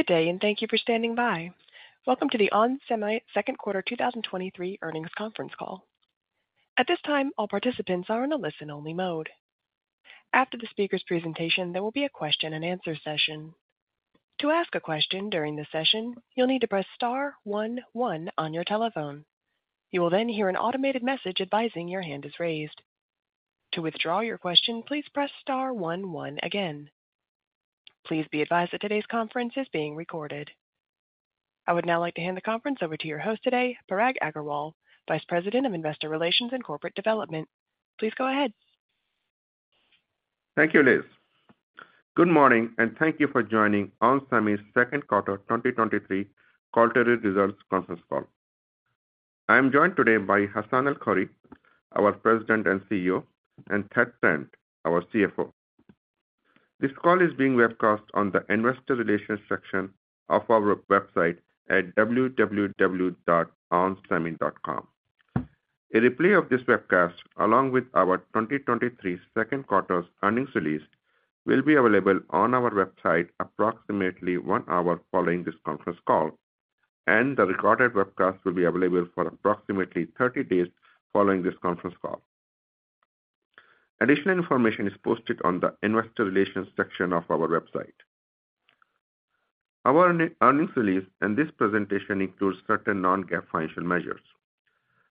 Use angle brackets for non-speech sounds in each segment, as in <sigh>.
Welcome to the onsemi Second Quarter 2023 Earnings Conference Call. At this time, all participants are in a listen-only mode. After the speaker's presentation, there will be a question-and-answer session. To ask a question during the session, you'll need to press star one one on your telephone. You will then hear an automated message advising your hand is raised. To withdraw your question, please press star one one again. Please be advised that today's conference is being recorded. I would now like to hand the conference over to your host today, Parag Agarwal, Vice President of Investor Relations and Corporate Development. Please go ahead. Thank you, Liz. Good morning, and thank you for joining onsemi's Second Quarter 2023 Quarterly Results Conference Call. I am joined today by Hassanee El-Khoury, our President and CEO, and Thad Trent, our CFO. This call is being webcast on the Investor Relations section of our website at www.onsemi.com. A replay of this webcast, along with our 2023 second quarter's earnings release, will be available on our website approximately one hour following this conference call, and the recorded webcast will be available for approximately 30 days following this conference call. Additional information is posted on the Investor Relations section of our website. Our earnings release and this presentation includes certain non-GAAP financial measures.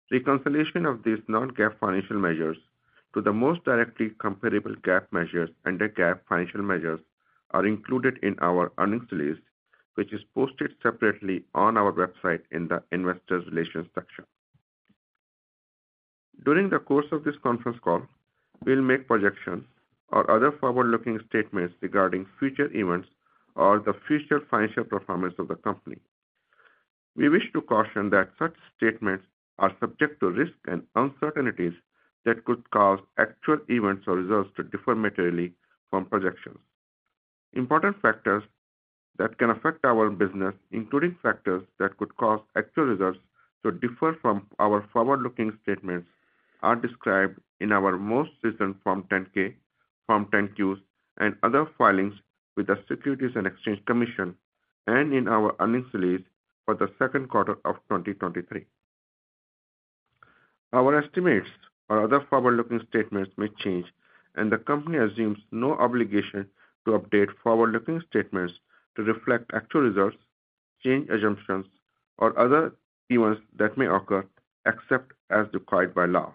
Reconciliation of these non-GAAP financial measures to the most directly comparable GAAP measures under GAAP financial measures are included in our earnings release, which is posted separately on our website in the Investor Relations section. During the course of this conference call, we'll make projections or other forward-looking statements regarding future events or the future financial performance of the company. We wish to caution that such statements are subject to risks and uncertainties that could cause actual events or results to differ materially from projections. Important factors that can affect our business, including factors that could cause actual results to differ from our forward-looking statements, are described in our most recent Form 10-K, Form 10-Qs, and other filings with the Securities and Exchange Commission, and in our earnings release for the second quarter of 2023. Our estimates or other forward-looking statements may change, and the company assumes no obligation to update forward-looking statements to reflect actual results, change assumptions, or other events that may occur, except as required by law.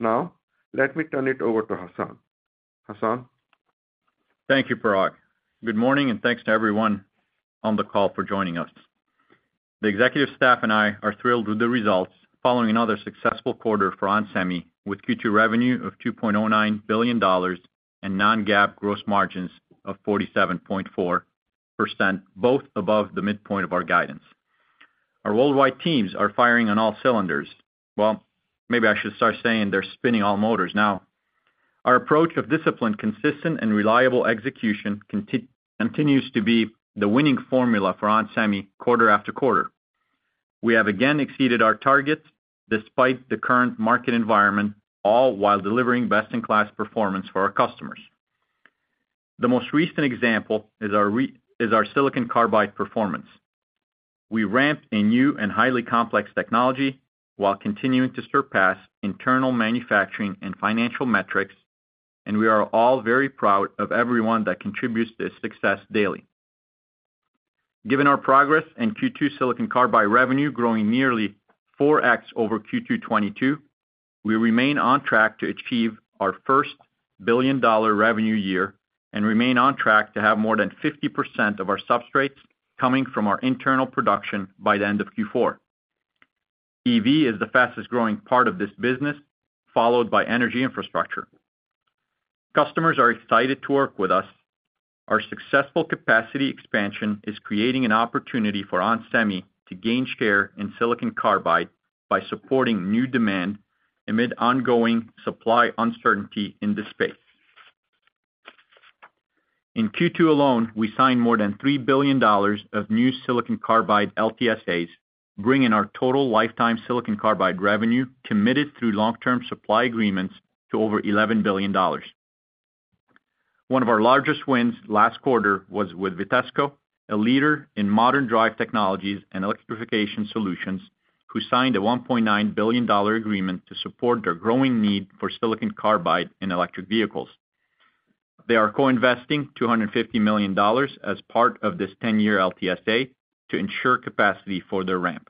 Now, let me turn it over to Hassanee. Hassanee? Thank you, Parag. Good morning, and thanks to everyone on the call for joining us. The executive staff and I are thrilled with the results following another successful quarter for onsemi, with Q2 revenue of $2.09 billion and non-GAAP gross margins of 47.4%, both above the midpoint of our guidance. Our worldwide teams are firing on all cylinders. Well, maybe I should start saying they're spinning all motors now. Our approach of disciplined, consistent, and reliable execution continues to be the winning formula for onsemi quarter after quarter. We have again exceeded our targets despite the current market environment, all while delivering best-in-class performance for our customers. The most recent example is our silicon carbide performance. We ramped a new and highly complex technology while continuing to surpass internal manufacturing and financial metrics, and we are all very proud of everyone that contributes to this success daily. Given our progress in Q2 silicon carbide revenue growing nearly 4x over Q2 2022, we remain on track to achieve our first billion-dollar revenue year and remain on track to have more than 50% of our substrates coming from our internal production by the end of Q4. EV is the fastest-growing part of this business, followed by energy infrastructure. Customers are excited to work with us. Our successful capacity expansion is creating an opportunity for onsemi to gain share in silicon carbide by supporting new demand amid ongoing supply uncertainty in this space. In Q2 alone, we signed more than $3 billion of new silicon carbide LTSAs, bringing our total lifetime silicon carbide revenue committed through Long-Term Supply Agreements to over $11 billion. One of our largest wins last quarter was with Vitesco, a leader in modern drive technologies and electrification solutions, who signed a $1.9 billion agreement to support their growing need for silicon carbide in electric vehicles. They are co-investing $250 million as part of this 10-year LTSA to ensure capacity for their ramp.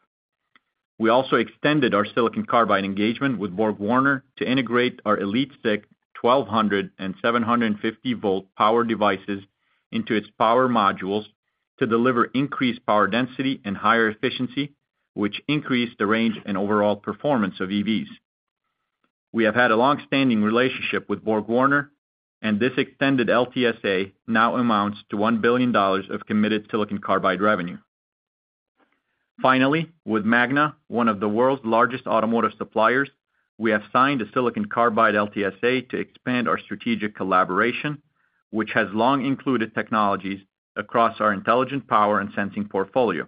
We also extended our silicon carbide engagement with BorgWarner to integrate our EliteSiC 1,200 volt and 750 volt power devices into its power modules to deliver increased power density and higher efficiency, which increase the range and overall performance of EVs. We have had a long-standing relationship with BorgWarner, and this extended LTSA now amounts to $1 billion of committed silicon carbide revenue. Finally, with Magna, one of the world's largest automotive suppliers, we have signed a silicon carbide LTSA to expand our strategic collaboration, which has long included technologies across our intelligent power and sensing portfolio.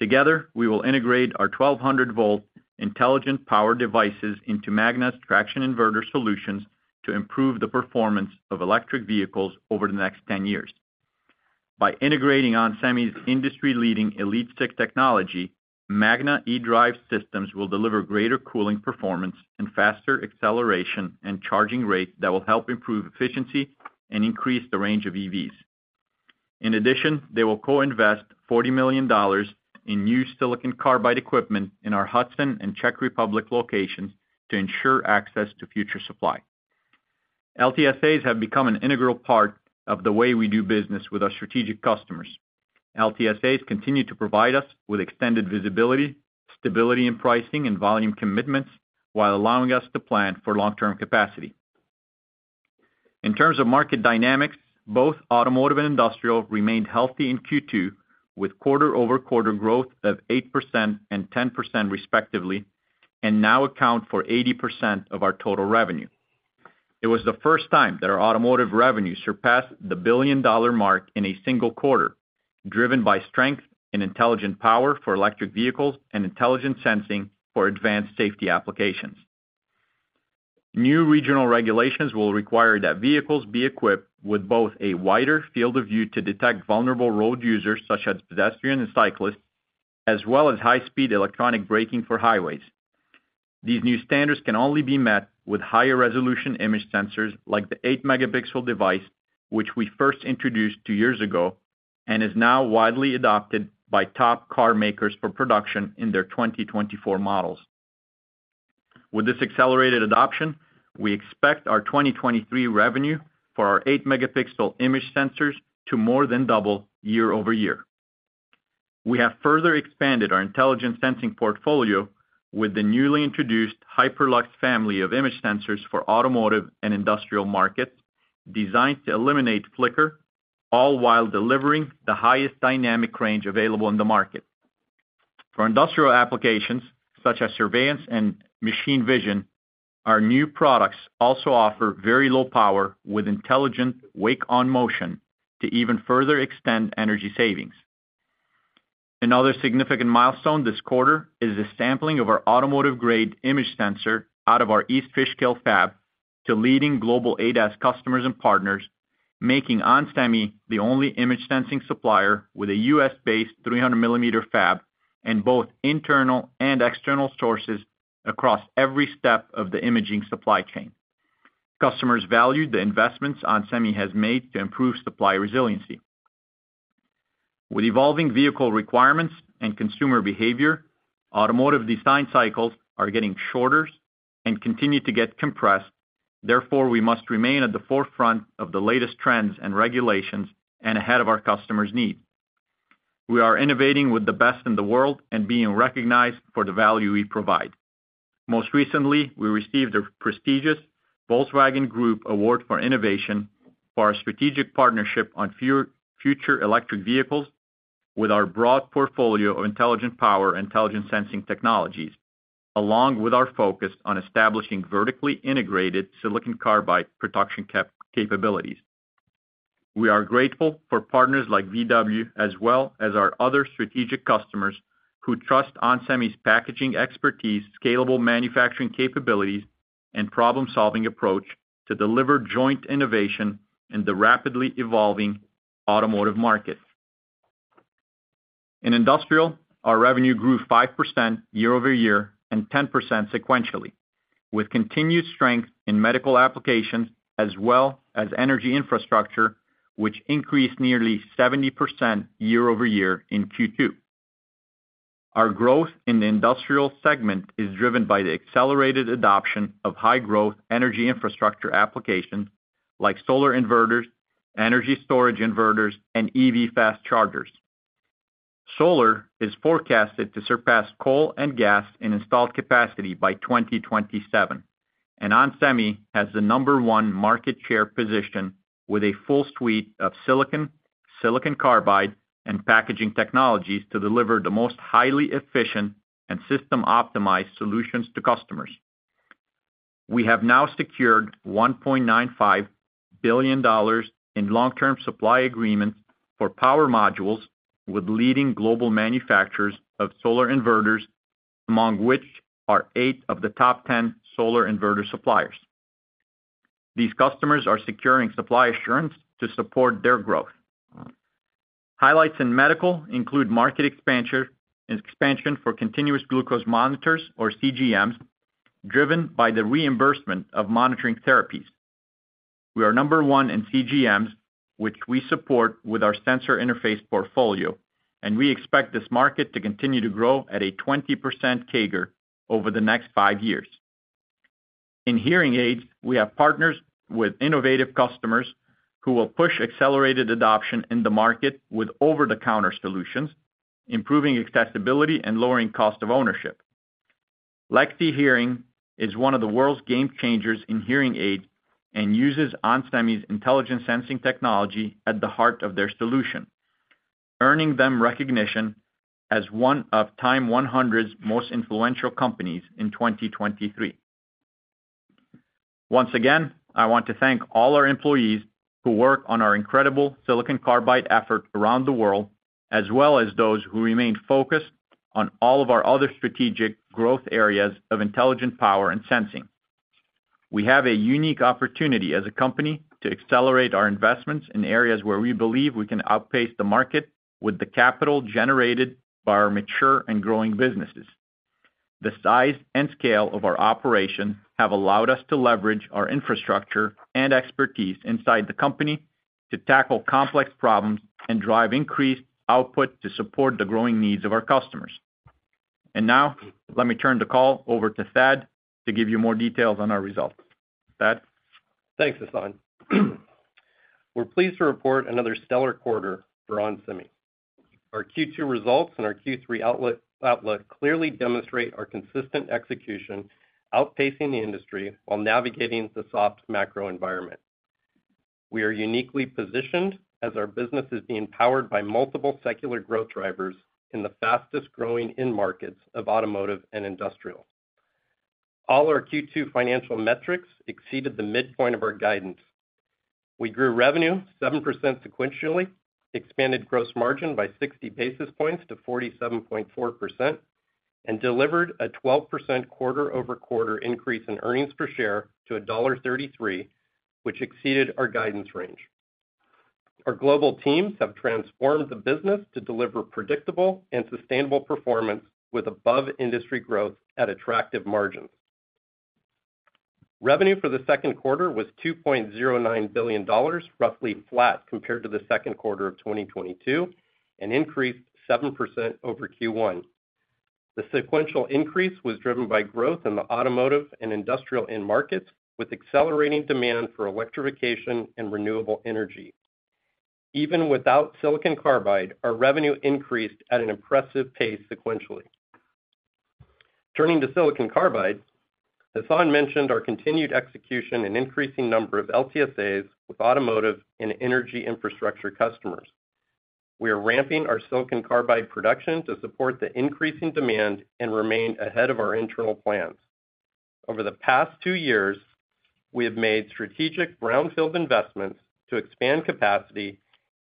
Together, we will integrate our 1,200 volt intelligent power devices into Magna's traction inverter solutions to improve the performance of electric vehicles over the next 10 years. By integrating onsemi's industry-leading EliteSiC technology, Magna eDrive systems will deliver greater cooling performance and faster acceleration and charging rate that will help improve efficiency and increase the range of EVs. In addition, they will co-invest $40 million in new silicon carbide equipment in our Hudson and Czech Republic locations to ensure access to future supply. LTSAs have become an integral part of the way we do business with our strategic customers. LTSAs continue to provide us with extended visibility, stability in pricing, and volume commitments, while allowing us to plan for long-term capacity. In terms of market dynamics, both automotive and industrial remained healthy in Q2, with quarter-over-quarter growth of 8% and 10% respectively, and now account for 80% of our total revenue. It was the first time that our automotive revenue surpassed the billion-dollar mark in a single quarter, driven by strength and intelligent power for electric vehicles and intelligent sensing for advanced safety applications. New regional regulations will require that vehicles be equipped with both a wider field of view to detect vulnerable road users, such as pedestrians and cyclists, as well as high-speed electronic braking for highways. These new standards can only be met with higher resolution image sensors, like the 8-megapixel device, which we first introduced 2 years ago, and is now widely adopted by top car makers for production in their 2024 models. With this accelerated adoption, we expect our 2023 revenue for our 8-megapixel image sensors to more than double year-over-year. We have further expanded our intelligent sensing portfolio with the newly introduced Hyperlux family of image sensors for automotive and industrial markets, designed to eliminate flicker, all while delivering the highest dynamic range available in the market. For industrial applications, such as surveillance and machine vision, our new products also offer very low power with intelligent Wake on Motion to even further extend energy savings. Another significant milestone this quarter is the sampling of our automotive-grade image sensor out of our East Fishkill fab to leading global ADAS customers and partners, making onsemi the only image sensing supplier with a U.S.-based 300mm fab in both internal and external sources across every step of the imaging supply chain. Customers value the investments onsemi has made to improve supply resiliency. With evolving vehicle requirements and consumer behavior, automotive design cycles are getting shorter and continue to get compressed. Therefore, we must remain at the forefront of the latest trends and regulations and ahead of our customers' needs. We are innovating with the best in the world and being recognized for the value we provide. Most recently, we received the prestigious Volkswagen Group Award for Innovation for our strategic partnership on future electric vehicles with our broad portfolio of intelligent power and intelligent sensing technologies, along with our focus on establishing vertically integrated silicon carbide production capabilities. We are grateful for partners like VW, as well as our other strategic customers, who trust onsemi's packaging expertise, scalable manufacturing capabilities, and problem-solving approach to deliver joint innovation in the rapidly evolving automotive market. In industrial, our revenue grew 5% year-over-year and 10% sequentially, with continued strength in medical applications as well as energy infrastructure, which increased nearly 70% year-over-year in Q2. Our growth in the industrial segment is driven by the accelerated adoption of high-growth energy infrastructure applications like solar inverters, energy storage inverters, and EV fast chargers. Solar is forecasted to surpass coal and gas in installed capacity by 2027, and onsemi has the number one market share position with a full suite of silicon, silicon carbide, and packaging technologies to deliver the most highly efficient and system-optimized solutions to customers. We have now secured $1.95 billion in long-term supply agreements for power modules with leading global manufacturers of solar inverters, among which are eight of the top 10 solar inverter suppliers. These customers are securing supply assurance to support their growth. Highlights in medical include market expansion, and expansion for continuous glucose monitors, or CGMs, driven by the reimbursement of monitoring therapies. We are number one in CGMs, which we support with our sensor interface portfolio, and we expect this market to continue to grow at a 20% CAGR over the next five years. In hearing aids, we have partners with innovative customers who will push accelerated adoption in the market with over-the-counter solutions, improving accessibility and lowering cost of ownership. Lexie Hearing is one of the world's game changers in hearing aid and uses onsemi's intelligence sensing technology at the heart of their solution, earning them recognition as one of TIME100's Most Influential Companies in 2023. Once again, I want to thank all our employees who work on our incredible silicon carbide effort around the world, as well as those who remain focused on all of our other strategic growth areas of intelligent power and sensing. We have a unique opportunity as a company to accelerate our investments in areas where we believe we can outpace the market with the capital generated by our mature and growing businesses. The size and scale of our operation have allowed us to leverage our infrastructure and expertise inside the company to tackle complex problems and drive increased output to support the growing needs of our customers. Now, let me turn the call over to Thad to give you more details on our results. Thad? Thanks, Hassanee. We're pleased to report another stellar quarter for onsemi. Our Q2 results and our Q3 outlook clearly demonstrate our consistent execution, outpacing the industry while navigating the soft macro environment. We are uniquely positioned as our business is being powered by multiple secular growth drivers in the fastest growing end markets of automotive and industrial. All our Q2 financial metrics exceeded the midpoint of our guidance. We grew revenue 7% sequentially, expanded gross margin by 60 basis points to 47.4%, and delivered a 12% quarter-over-quarter increase in earnings per share to $1.33, which exceeded our guidance range. Our global teams have transformed the business to deliver predictable and sustainable performance with above industry growth at attractive margins. Revenue for the second quarter was $2.09 billion, roughly flat compared to the second quarter of 2022, and increased 7% over Q1. The sequential increase was driven by growth in the automotive and industrial end markets, with accelerating demand for electrification and renewable energy. Even without silicon carbide, our revenue increased at an impressive pace sequentially. Turning to silicon carbide, Hassanee mentioned our continued execution and increasing number of LTSAs with automotive and energy infrastructure customers. We are ramping our silicon carbide production to support the increasing demand and remain ahead of our internal plans. Over the past two years, we have made strategic brownfield investments to expand capacity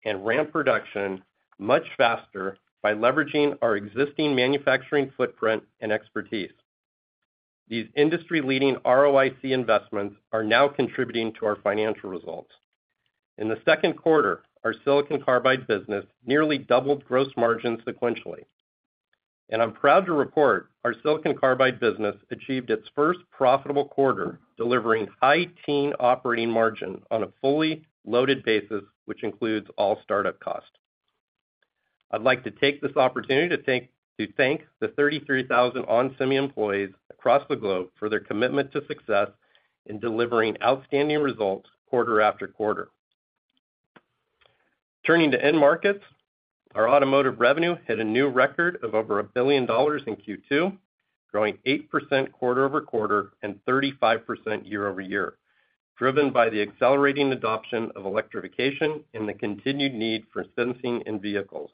and ramp production much faster by leveraging our existing manufacturing footprint and expertise. These industry-leading ROIC investments are now contributing to our financial results. In the second quarter, our silicon carbide business nearly doubled gross margin sequentially, and I'm proud to report our silicon carbide business achieved its first profitable quarter, delivering high-teen operating margin on a fully loaded basis, which includes all startup costs. I'd like to take this opportunity to thank the 33,000 onsemi employees across the globe for their commitment to success in delivering outstanding results quarter after quarter. Turning to end markets, our automotive revenue hit a new record of over $1 billion in Q2, growing 8% quarter-over-quarter and 35% year-over-year, driven by the accelerating adoption of electrification and the continued need for sensing in vehicles.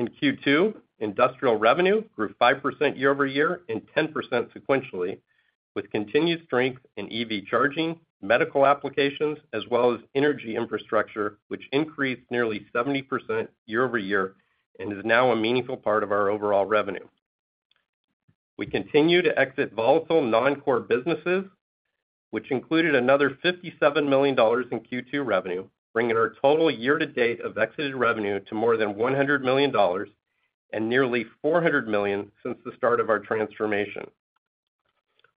In Q2, industrial revenue grew 5% year-over-year and 10% sequentially, with continued strength in EV charging, medical applications, as well as energy infrastructure, which increased nearly 70% year-over-year and is now a meaningful part of our overall revenue. We continue to exit volatile non-core businesses, which included another $57 million in Q2 revenue, bringing our total year to date of exited revenue to more than $100 million, and nearly $400 million since the start of our transformation.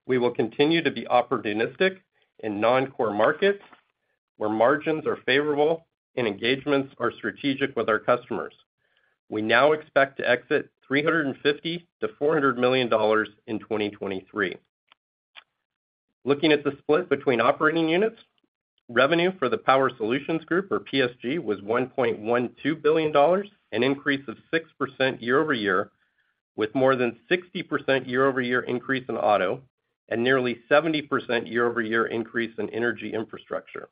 We will continue to be opportunistic in non-core markets where margins are favorable and engagements are strategic with our customers. We now expect to exit $350 million-$400 million in 2023. Looking at the split between operating units, revenue for the Power Solutions Group, or PSG, was $1.12 billion, an increase of 6% year-over-year, with more than 60% year-over-year increase in auto and nearly 70% year-over-year increase in energy infrastructure.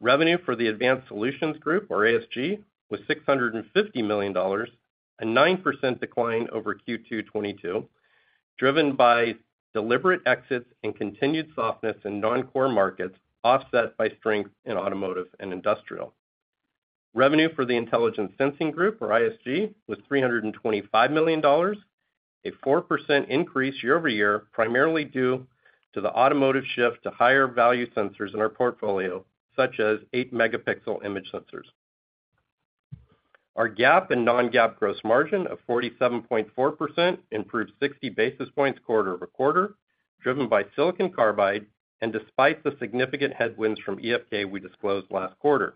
Revenue for the Advanced Solutions Group, or ASG, was $650 million, a 9% decline over Q2 2022, driven by deliberate exits and continued softness in non-core markets, offset by strength in automotive and industrial. Revenue for the Intelligent Sensing Group, or ISG, was $325 million, a 4% increase year-over-year, primarily due to the automotive shift to higher value sensors in our portfolio, such as 8-megapixel image sensors. Our GAAP and non-GAAP gross margin of 47.4% improved 60 basis points quarter-over-quarter, driven by silicon carbide and despite the significant headwinds from EFK we disclosed last quarter.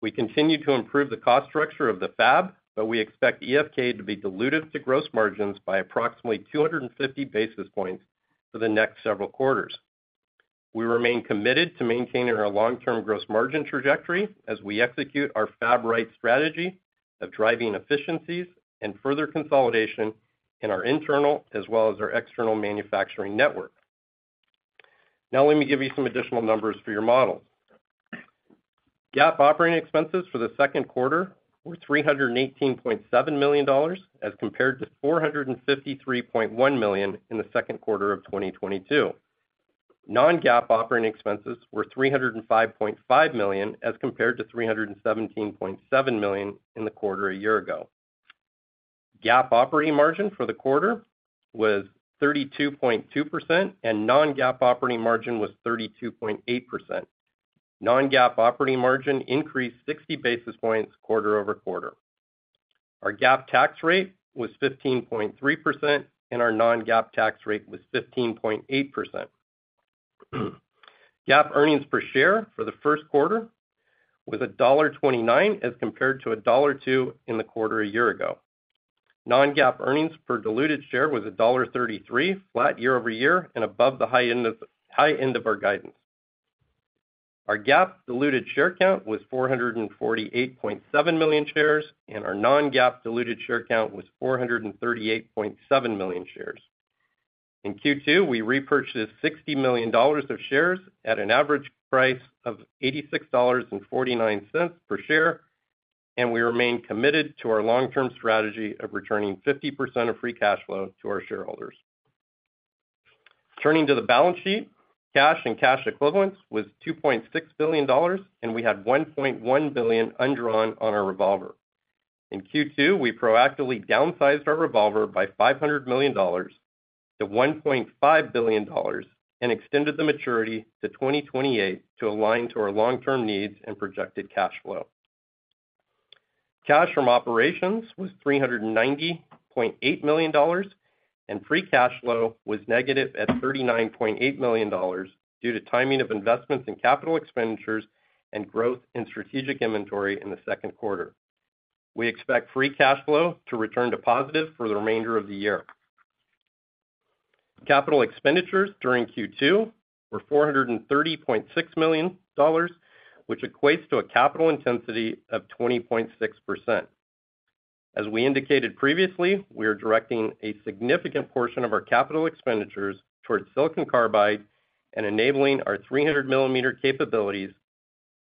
We continue to improve the cost structure of the fab, we expect EFK to be dilutive to gross margins by approximately 250 basis points for the next several quarters. We remain committed to maintaining our long-term gross margin trajectory as we execute our Fab Right strategy of driving efficiencies and further consolidation in our internal as well as our external manufacturing network. Let me give you some additional numbers for your model. GAAP operating expenses for the second quarter were $318.7 million, as compared to $453.1 million in the second quarter of 2022. Non-GAAP operating expenses were $305.5 million, as compared to $317.7 million in the quarter a year ago. GAAP operating margin for the quarter was 32.2%, and non-GAAP operating margin was 32.8%. Non-GAAP operating margin increased 60 basis points quarter-over-quarter. Our GAAP tax rate was 15.3%, and our non-GAAP tax rate was 15.8%. GAAP earnings per share for the first quarter was $1.29, as compared to $1.02 in the quarter a year ago. Non-GAAP earnings per diluted share was $1.33, flat year-over-year, and above the high end of our guidance. Our GAAP diluted share count was 448.7 million shares, and our non-GAAP diluted share count was 438.7 million shares. In Q2, we repurchased $60 million of shares at an average price of $86.49 per share, we remain committed to our long-term strategy of returning 50% of free cash flow to our shareholders. Turning to the balance sheet, cash and cash equivalents was $2.6 billion, and we had $1.1 billion undrawn on our revolver. In Q2, we proactively downsized our revolver by $500 million to $1.5 billion and extended the maturity to 2028 to align to our long-term needs and projected cash flow. Cash from operations was $390.8 million, and free cash flow was negative at $39.8 million due to timing of investments in capital expenditures and growth in strategic inventory in the second quarter. We expect free cash flow to return to positive for the remainder of the year. Capital expenditures during Q2 were $430.6 million, which equates to a capital intensity of 20.6%. As we indicated previously, we are directing a significant portion of our capital expenditures towards silicon carbide and enabling our 300mm capabilities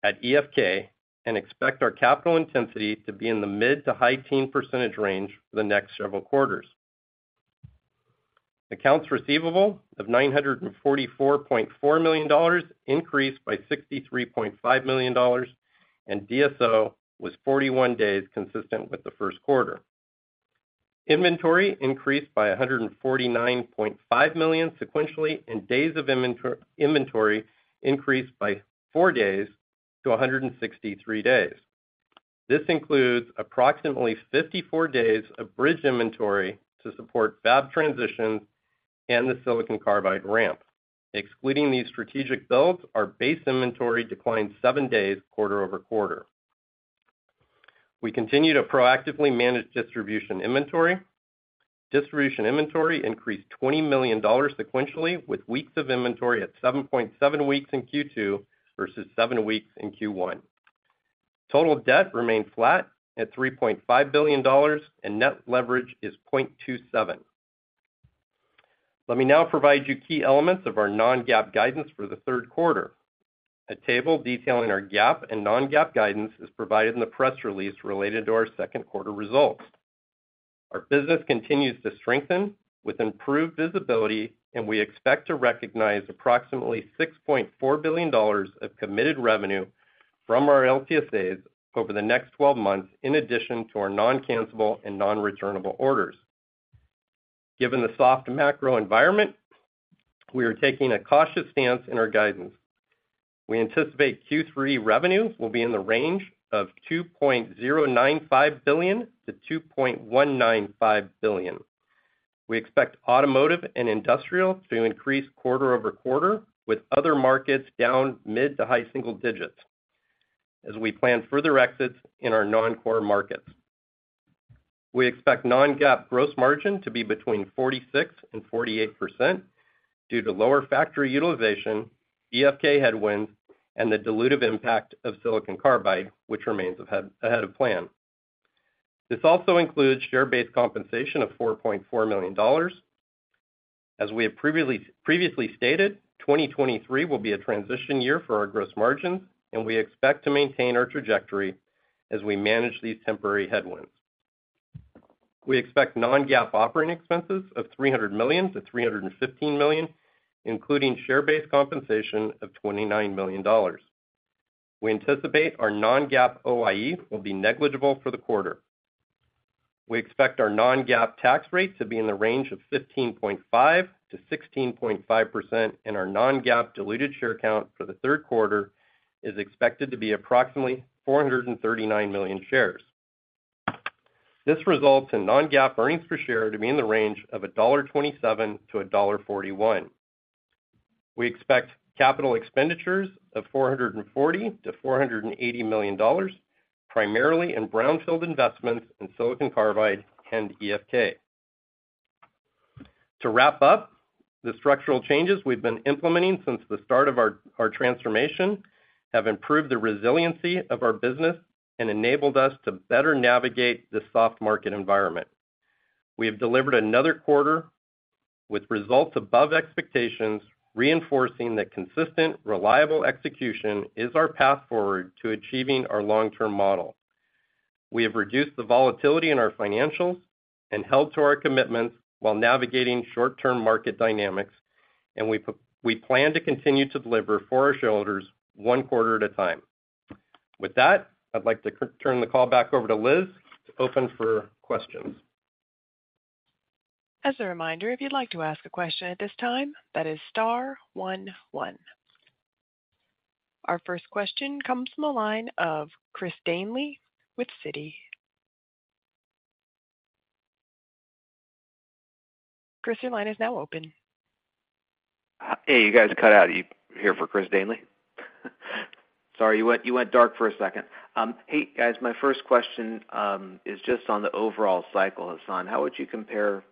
at EFK, and expect our capital intensity to be in the mid- to high-teen percentage range for the next several quarters. Accounts receivable of $944.4 million increased by $63.5 million, DSO was 41 days, consistent with the first quarter. Inventory increased by $149.5 million sequentially, days of inventory increased by 4 days to 163 days. This includes approximately 54 days of bridge inventory to support fab transitions and the silicon carbide ramp. Excluding these strategic builds, our base inventory declined 7 days quarter-over-quarter. We continue to proactively manage distribution inventory. Distribution inventory increased $20 million sequentially, with weeks of inventory at 7.7 weeks in Q2 versus 7 weeks in Q1. Total debt remained flat at $3.5 billion, net leverage is 0.27. Let me now provide you key elements of our non-GAAP guidance for the third quarter. A table detailing our GAAP and non-GAAP guidance is provided in the press release related to our second quarter results. Our business continues to strengthen with improved visibility, and we expect to recognize approximately $6.4 billion of committed revenue from our LTSAs over the next 12 months, in addition to our non-cancellable and non-returnable orders. Given the soft macro environment, we are taking a cautious stance in our guidance. We anticipate Q3 revenues will be in the range of $2.095 billion-$2.195 billion. We expect automotive and industrial to increase quarter-over-quarter, with other markets down mid- to high-single digits as we plan further exits in our non-core markets. We expect non-GAAP gross margin to be between 46% and 48% due to lower factory utilization, EFK headwinds, and the dilutive impact of silicon carbide, which remains ahead of plan. This also includes share-based compensation of $4.4 million. As we have previously stated, 2023 will be a transition year for our gross margins, we expect to maintain our trajectory as we manage these temporary headwinds. We expect non-GAAP operating expenses of $300 million-$315 million, including share-based compensation of $29 million. We anticipate our non-GAAP OIE will be negligible for the quarter. We expect our non-GAAP tax rate to be in the range of 15.5%-16.5%, our non-GAAP diluted share count for the third quarter is expected to be approximately 439 million shares. This results in non-GAAP earnings per share to be in the range of $1.27-$1.41. We expect capital expenditures of $440 million-$480 million, primarily in brownfield investments in silicon carbide and EFK. To wrap up, the structural changes we've been implementing since the start of our transformation have improved the resiliency of our business and enabled us to better navigate this soft market environment. We have delivered another quarter with results above expectations, reinforcing that consistent, reliable execution is our path forward to achieving our long-term model. We have reduced the volatility in our financials and held to our commitments while navigating short-term market dynamics, and we plan to continue to deliver for our shareholders one quarter at a time. With that, I'd like to turn the call back over to Liz to open for questions. As a reminder, if you'd like to ask a question at this time, that is star one one. Our first question comes from the line of Chris Danely with Citi. Chris, your line is now open. Hey, you guys cut out, you here for Chris Danely? Sorry, you went, you went dark for a second. Hey, guys, my first question is just on the overall cycle. Hassanee, how would you compare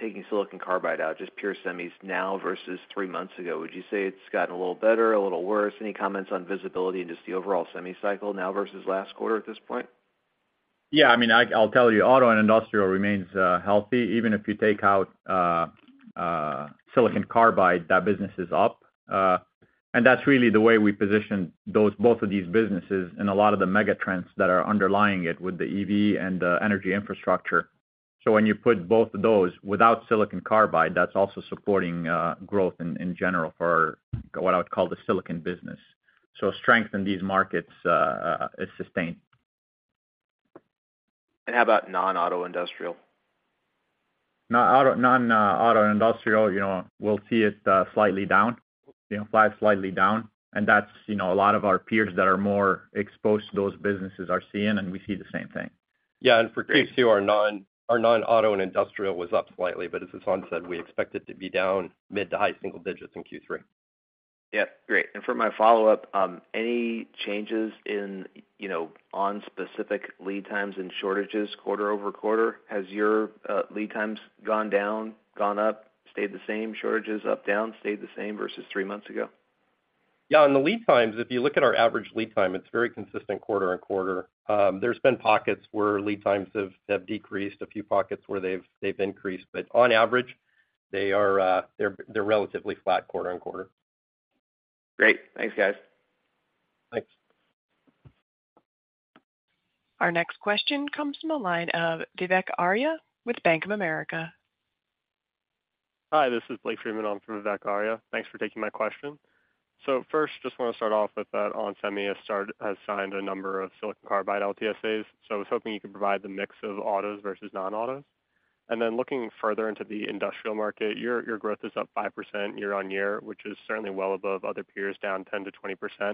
taking silicon carbide out, just pure semis now versus three months ago? Would you say it's gotten a little better, a little worse? Any comments on visibility and just the overall semi cycle now versus last quarter at this point? Yeah, I mean, I'll tell you, auto and industrial remains healthy. Even if you take out silicon carbide, that business is up. That's really the way we position those both of these businesses in a lot of the mega trends that are underlying it with the EV and the energy infrastructure. When you put both of those without silicon carbide, that's also supporting growth in general for what I would call the silicon business. Strength in these markets is sustained. How about non-auto industrial? Non-auto industrial, you know, we'll see it, slightly down, you know, flight slightly down. That's, you know, a lot of our peers that are more exposed to those businesses are seeing, and we see the same thing. Yeah, for Q2, our non-auto and industrial was up slightly, but as Hassanee said, we expect it to be down mid to high single digits in Q3. Yeah, great. For my follow-up, any changes in, you know, specific lead times and shortages quarter-over-quarter? Has your lead times gone down, gone up, stayed the same, shortages up, down, stayed the same versus three months ago? Yeah, on the lead times, if you look at our average lead time, it's very consistent quarter on quarter. There's been pockets where lead times have, have decreased, a few pockets where they've, they've increased. On average, they are, they're, they're relatively flat quarter-over-quarter. Great. Thanks, guys. Thanks. Our next question comes from the line of Vivek Arya with Bank of America. Hi, this is Blake Friedman on for Vivek Arya. Thanks for taking my question. First, just want to start off with that onsemi has signed a number of silicon carbide LTSA, so I was hoping you could provide the mix of autos versus non-autos. Then looking further into the industrial market, your growth is up 5% year-over-year, which is certainly well above other peers, down 10%-20%.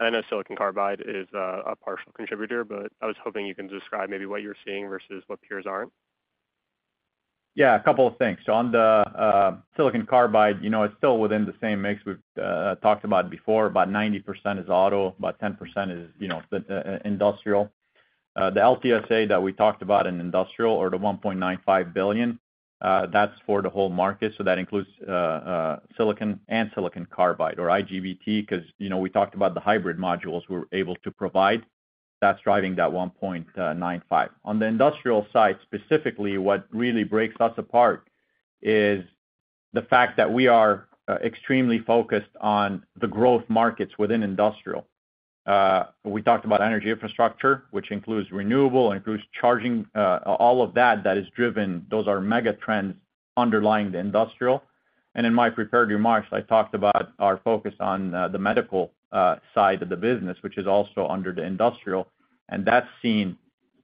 I know silicon carbide is a partial contributor, but I was hoping you can describe maybe what you're seeing versus what peers aren't. Yeah, a couple of things. On the silicon carbide, you know, it's still within the same mix we've talked about before. About 90% is auto, about 10% is, you know, industrial. The LTSA that we talked about in industrial, or the $1.95 billion, that's for the whole market. That includes silicon and silicon carbide or IGBT, because, you know, we talked about the hybrid modules we're able to provide. That's driving that $1.95 billion. On the industrial side, specifically, what really breaks us apart is the fact that we are extremely focused on the growth markets within industrial. We talked about energy infrastructure, which includes renewable, includes charging, all of that, that is driven. Those are mega trends underlying the industrial. In my prepared remarks, I talked about our focus on the medical side of the business, which is also under the industrial, and that's seen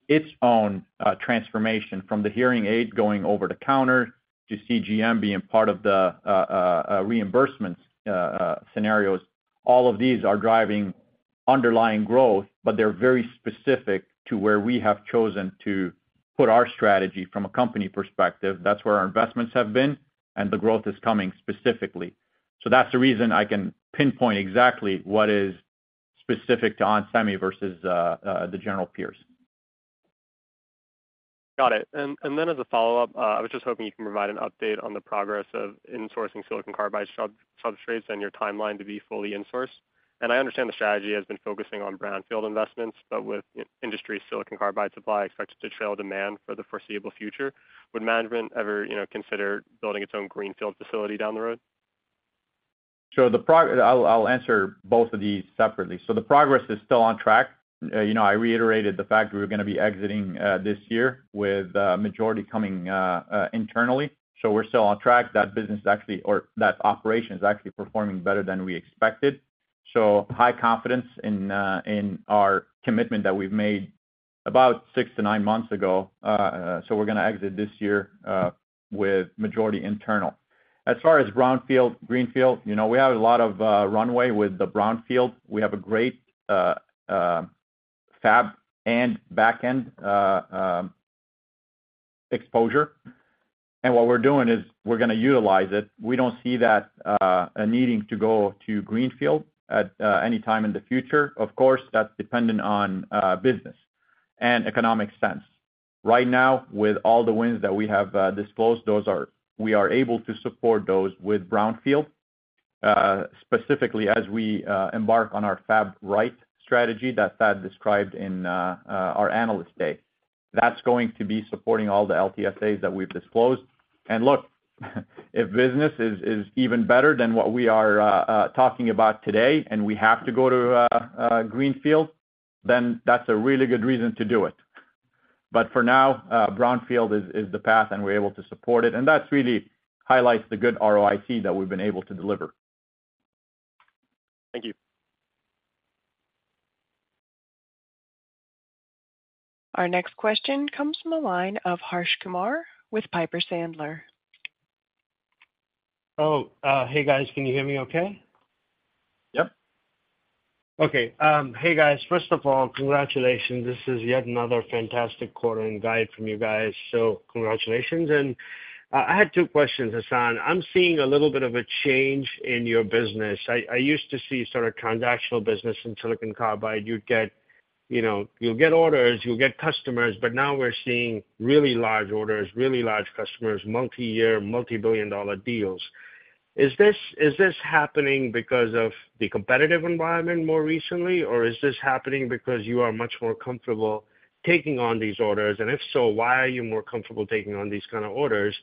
its own transformation from the hearing aid going over-the-counter to CGM being part of the reimbursement scenarios. All of these are driving underlying growth, but they're very specific to where we have chosen to put our strategy from a company perspective. That's where our investments have been, and the growth is coming specifically. That's the reason I can pinpoint exactly what is specific to onsemi versus the general peers. Got it. Then as a follow-up, I was just hoping you can provide an update on the progress of insourcing silicon carbide substrates and your timeline to be fully insourced. I understand the strategy has been focusing on brownfield investments, but with industry silicon carbide supply expected to trail demand for the foreseeable future, would management ever, you know, consider building its own greenfield facility down the road? The prog, I'll, I'll answer both of these separately. The progress is still on track. You know, I reiterated the fact we're gonna be exiting this year with majority coming internally. We're still on track. That business actually, or that operation is actually performing better than we expected. High confidence in our commitment that we've made about six to nine months ago. We're gonna exit this year with majority internal. As far as brownfield, greenfield, you know, we have a lot of runway with the brownfield. We have a great fab and back-end exposure, and what we're doing is we're gonna utilize it. We don't see that a needing to go to greenfield at any time in the future. Of course, that's dependent on business and economic sense. Right now, with all the wins that we have, disclosed, we are able to support those with brownfield. Specifically, as we embark on our Fab Right strategy that Thad described in our analyst day. That's going to be supporting all the LTSA that we've disclosed. Look, if business is, is even better than what we are talking about today, and we have to go to a greenfield, then that's a really good reason to do it. For now, brownfield is, is the path, and we're able to support it, and that really highlights the good ROIC that we've been able to deliver. Thank you. Our next question comes from the line of Harsh Kumar with Piper Sandler. Oh, hey, guys. Can you hear me okay? Yep. Okay. Hey, guys. First of all, congratulations. This is yet another fantastic quarter and guide from you guys, congratulations. I had two questions, Hassanee. I'm seeing a little bit of a change in your business. I used to see sort of transactional business in silicon carbide. You'd get, you know, you'll get orders, you'll get customers, now we're seeing really large orders, really large customers, multi-year, multi-billion-dollar deals. Is this happening because of the competitive environment more recently, or is this happening because you are much more comfortable taking on these orders? If so, why are you more comfortable taking on these kind of orders?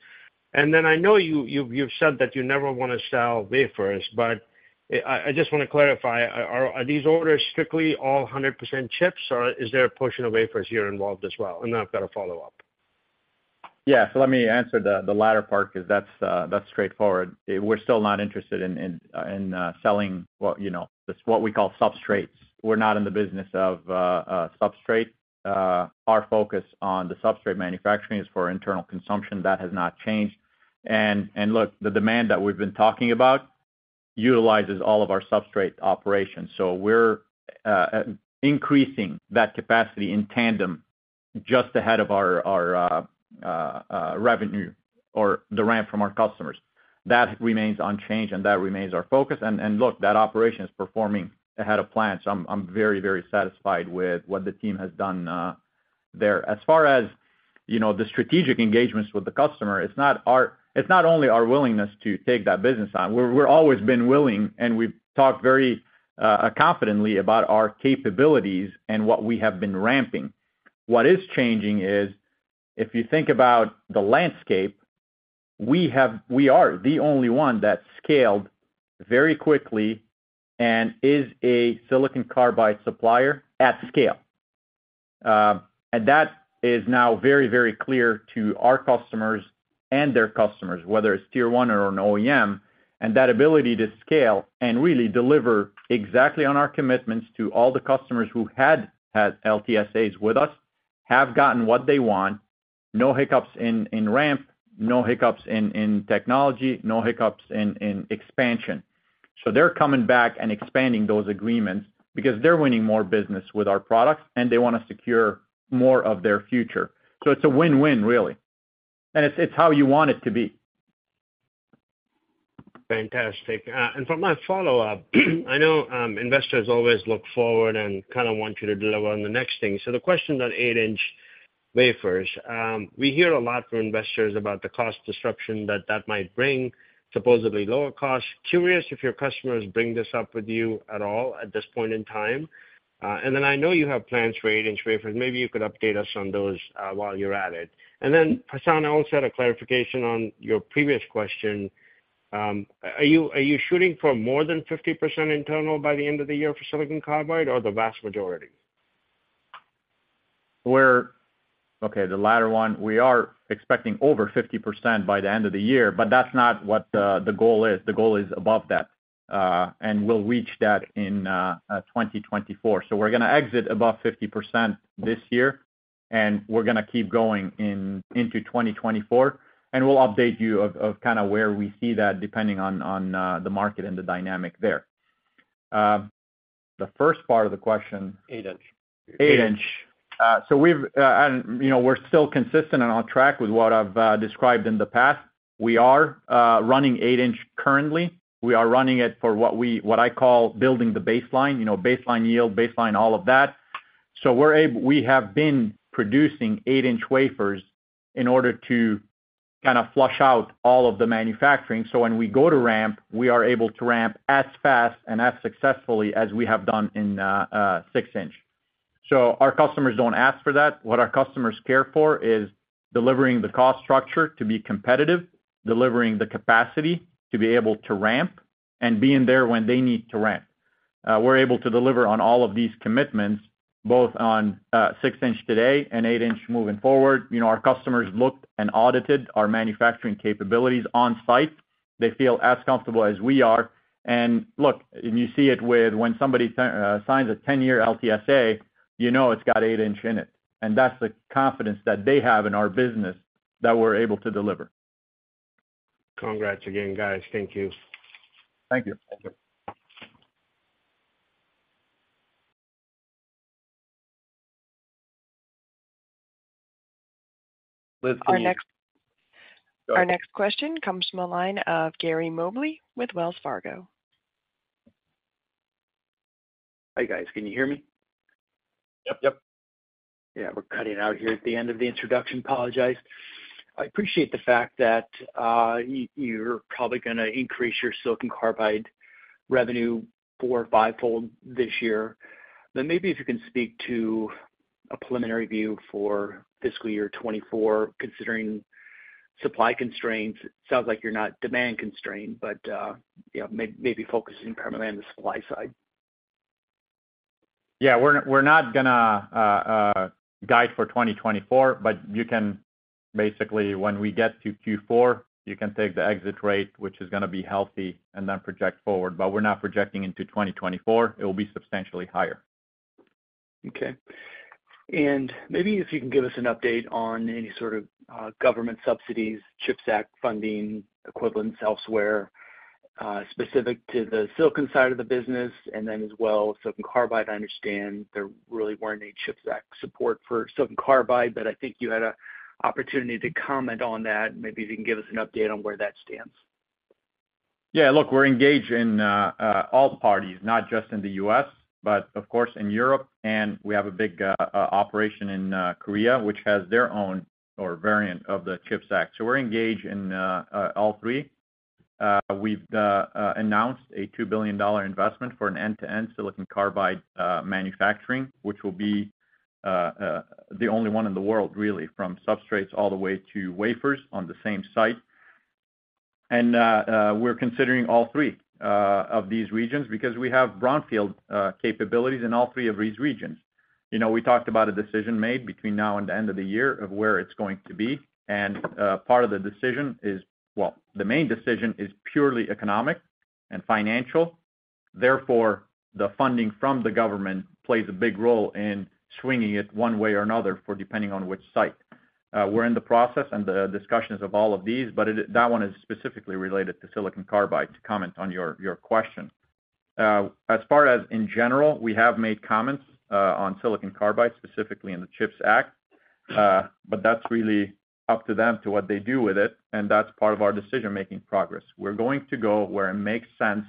I know you've said that you never wanna sell wafers, but I just wanna clarify, are these orders strictly all 100% chips, or is there a portion of wafers here involved as well? I've got a follow-up. Yeah, so let me answer the latter part, 'cause that's straightforward. We're still not interested in selling what, you know, just what we call substrates. We're not in the business of substrate. Our focus on the substrate manufacturing is for internal consumption. That has not changed. Look, the demand that we've been talking about utilizes all of our substrate operations. So we're increasing that capacity in tandem just ahead of our revenue or the ramp from our customers. That remains unchanged, and that remains our focus. Look, that operation is performing ahead of plan, so I'm very, very satisfied with what the team has done there. As far as, you know, the strategic engagements with the customer, it's not only our willingness to take that business on. We're always been willing, and we've talked very confidently about our capabilities and what we have been ramping. What is changing is, if you think about the landscape, we are the only one that scaled very quickly and is a silicon carbide supplier at scale. That is now very, very clear to our customers and their customers, whether it's Tier One or an OEM. That ability to scale and really deliver exactly on our commitments to all the customers who had had LTSA with us, have gotten what they want, no hiccups in ramp, no hiccups in technology, no hiccups in expansion. They're coming back and expanding those agreements because they're winning more business with our products, and they wanna secure more of their future. It's a win-win, really, and it's, it's how you want it to be. Fantastic. For my follow-up, I know investors always look forward and kinda want you to deliver on the next thing. The question on 8-inch wafers, we hear a lot from investors about the cost disruption that that might bring, supposedly lower costs. Curious if your customers bring this up with you at all at this point in time? I know you have plans for 8-inch wafers. Maybe you could update us on those while you're at it. Hassanee, I also had a clarification on your previous question. Are you, are you shooting for more than 50% internal by the end of the year for silicon carbide, or the vast majority? Okay, the latter one, we are expecting over 50% by the end of the year, but that's not what the goal is. The goal is above that, and we'll reach that in 2024. We're gonna exit above 50% this year, and we're gonna keep going into 2024, and we'll update you of kinda where we see that, depending on the market and the dynamic there. The first part of the question? 8-inch. <crosstalk> We've, and, you know, we're still consistent and on track with what I've described in the past. We are running 8-inch currently. We are running it for what I call building the baseline, you know, baseline yield, baseline all of that. We have been producing 8-inch wafers in order to kind of flush out all of the manufacturing, so when we go to ramp, we are able to ramp as fast and as successfully as we have done in 6-inch. Our customers don't ask for that. What our customers care for is delivering the cost structure to be competitive, delivering the capacity to be able to ramp, and being there when they need to ramp. We're able to deliver on all of these commitments, both on 6-inch today and 8-inch moving forward. You know, our customers looked and audited our manufacturing capabilities on-site. They feel as comfortable as we are. Look, and you see it with when somebody signs a 10-year LTSA, you know it's got 8-inch in it, and that's the confidence that they have in our business that we're able to deliver. Congrats again, guys. Thank you. Thank you. Our next question comes from the line of Gary Mobley with Wells Fargo. Hi, guys. Can you hear me? <crosstalk> Yeah, we're cutting out here at the end of the introduction. Apologize. I appreciate the fact that you're probably gonna increase your silicon carbide revenue four or fivefold this year. Maybe if you can speak to a preliminary view for fiscal year 2024, considering supply constraints. It sounds like you're not demand-constrained, you know, maybe focusing primarily on the supply side. Yeah, we're not, we're not gonna guide for 2024, but you can basically, when we get to Q4, you can take the exit rate, which is gonna be healthy, and then project forward. We're not projecting into 2024. It will be substantially higher. Okay. Maybe if you can give us an update on any sort of, government subsidies, CHIPS Act funding equivalents elsewhere, specific to the silicon side of the business, and then as well, silicon carbide, I understand there really weren't any CHIPS Act support for silicon carbide. I think you had a opportunity to comment on that. Maybe if you can give us an update on where that stands. Yeah, look, we're engaged in all parties, not just in the U.S., but of course, in Europe. We have a big operation in Korea, which has their own or variant of the CHIPS Act. We're engaged in all three. We've announced a $2 billion investment for an end-to-end silicon carbide manufacturing, which will be the only one in the world, really, from substrates all the way to wafers on the same site. We're considering all three of these regions because we have brownfield capabilities in all three of these regions. You know, we talked about a decision made between now and the end of the year of where it's going to be. Part of the decision, well, the main decision is purely economic and financial. Therefore, the funding from the government plays a big role in swinging it one way or another for depending on which site. We're in the process and the discussions of all of these, but it is, that one is specifically related to silicon carbide, to comment on your, your question. As far as in general, we have made comments on silicon carbide, specifically in the CHIPS Act, but that's really up to them to what they do with it, and that's part of our decision-making progress. We're going to go where it makes sense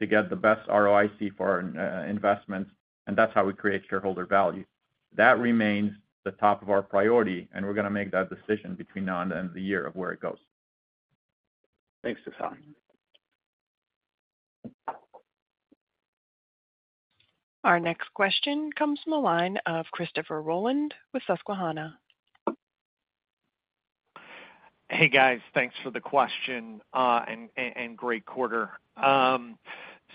to get the best ROIC for our investment, and that's how we create shareholder value. That remains the top of our priority, and we're gonna make that decision between now and the end of the year of where it goes. Thanks, Hassanee. Our next question comes from the line of Christopher Rolland with Susquehanna. Hey, guys, thanks for the question, and, and great quarter.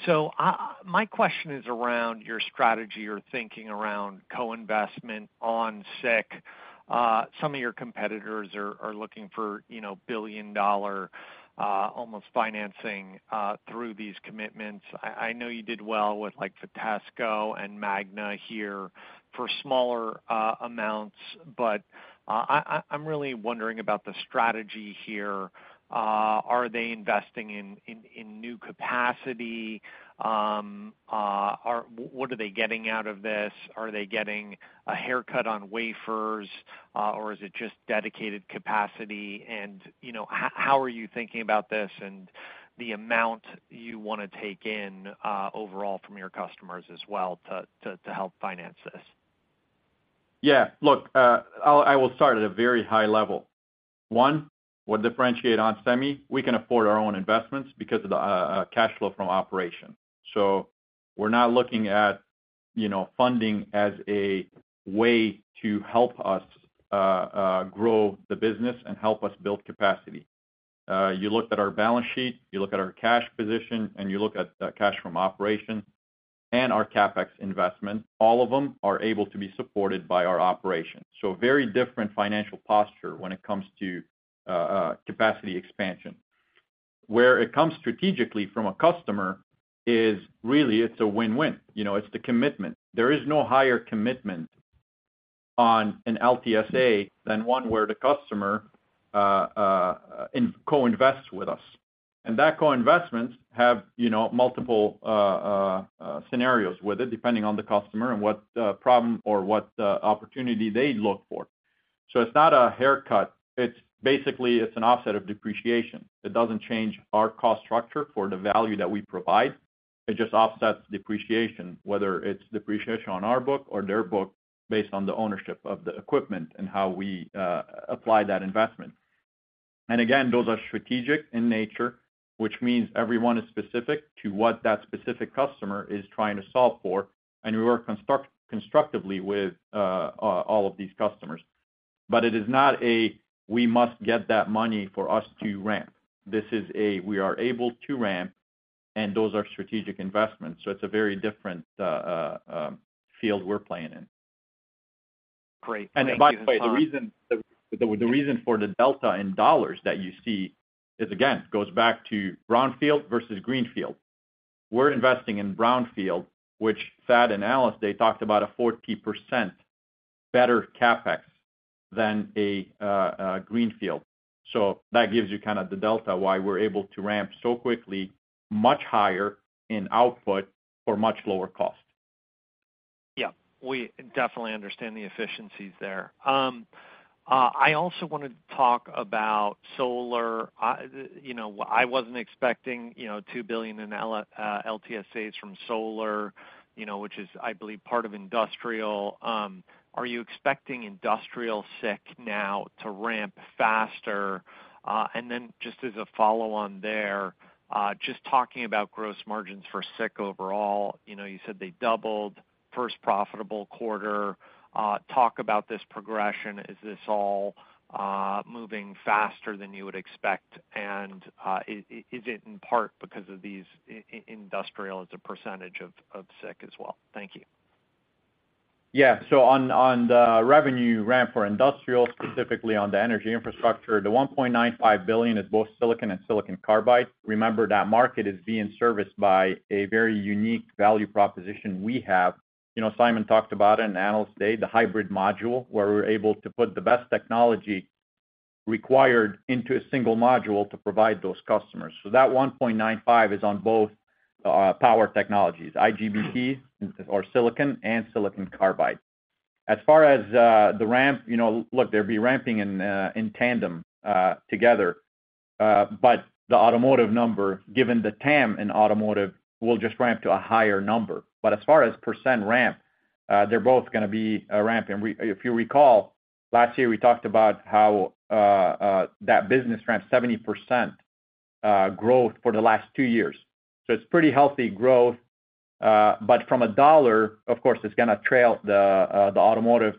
So my question is around your strategy or thinking around co-investment on SiC. Some of your competitors are, are looking for, you know, billion-dollar, almost financing, through these commitments. I, I know you did well with, like, Vitesco and Magna here for smaller amounts, I, I'm really wondering about the strategy here. Are they investing in, in, in new capacity? Are, what are they getting out of this? Are they getting a haircut on wafers, or is it just dedicated capacity? You know, how, how are you thinking about this and the amount you wanna take in overall from your customers as well, to, to, to help finance this? We can afford our own investments because of the cash flow from operations. So we are not looking, you know, funding as a way to help us grow the business and help us bulid capacity. You look at our balance sheet, you look at our cash position, and you look at cash from operation, and our CapEx investments, all of them are able to be supported by our operations. So very different financial posture when it comes to capacity expansion. Where it comes strategically from a customer, is really, it's a win-win, you know, it's the commitment, there is no higher commitment on an LTSA and one where the customer co-invest with us. That co-investment have, you know, multiple scenarios with it, depending on the customer and what problem or what opportunity they look for. It's not a haircut. It's basically, it's an offset of depreciation. It doesn't change our cost structure for the value that we provide. It just offsets depreciation, whether it's depreciation on our book or their book, based on the ownership of the equipment and how we apply that investment. Again, those are strategic in nature, which means everyone is specific to what that specific customer is trying to solve for, and we work constructively with all of these customers. It is not a, we must get that money for us to ramp. This is a, we are able to ramp, and those are strategic investments. It's a very different field we're playing in. Great. By the way, the reason for the delta in dollars that you see is again, goes back to Brownfield versus Greenfield. We're investing in brownfield, which Thad and Alice, they talked about a 40% better CapEx than a greenfield. That gives you kind of the delta, why we're able to ramp so quickly, much higher in output for much lower cost. Yeah, we definitely understand the efficiencies there. I also want to talk about solar. you know, I wasn't expecting, you know, $2 billion in LTSA from solar, you know, which is, I believe, part of industrial. Are you expecting industrial SiC now to ramp faster? Then just as a follow-on there, just talking about gross margins for SiC overall, you know, you said they doubled, first profitable quarter. Talk about this progression. Is this all, moving faster than you would expect? Is it in part because of these industrial as a percentage of, of SiC as well? Thank you. Yeah. on, on the revenue ramp for industrial, specifically on the energy infrastructure, the $1.95 billion is both silicon and silicon carbide. Remember, that market is being serviced by a very unique value proposition we have. You know, Simon talked about it in the analyst day, the hybrid module, where we're able to put the best technology required into a single module to provide those customers. That $1.95 billion is on both power technologies, IGBT or silicon and silicon carbide. As far as the ramp, you know, look, they'll be ramping in tandem together. But the automotive number, given the TAM in automotive, will just ramp to a higher number. But as far as percent ramp, they're both going to be a ramp. If you recall, last year we talked about how that business ramped 70% growth for the last 2 years. It's pretty healthy growth. But from a dollar, of course, it's going to trail the automotive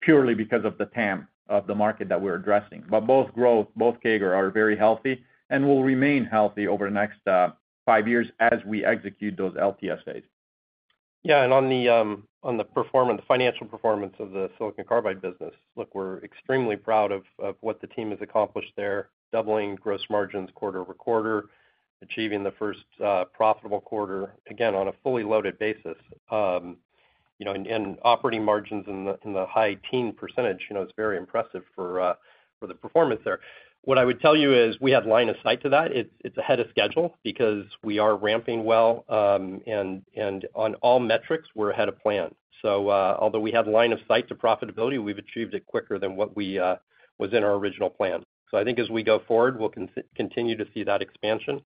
purely because of the TAM of the market that we're addressing. Both growth, both CAGR, are very healthy and will remain healthy over the next 5 years as we execute those LTSA. Yeah, and on the, on the performance, financial performance of the silicon carbide business, look, we're extremely proud of, of what the team has accomplished there, doubling gross margins quarter-over-quarter, achieving the first profitable quarter, again, on a fully loaded basis. You know, operating margins in the, in the high teen percentage, you know, is very impressive for the performance there. What I would tell you is we have line of sight to that. It's, it's ahead of schedule because we are ramping well, and, and on all metrics, we're ahead of plan. Although we have line of sight to profitability, we've achieved it quicker than what we was in our original plan. I think as we go forward, we'll continue to see that expansion,